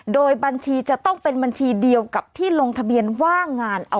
โดยบัญชีจะต้องเป็นบัญชีเดียวกับที่ลงทะเบียนว่างงานเอา